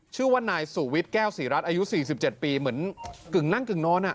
ชื่อว่านายสุวิตแก้วศิรัทธิ์อายุ๔๗ปีเหมือนกึ่งนั่งกึ่งนอนอ่ะ